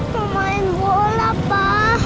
mau main bola pa